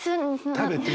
食べて。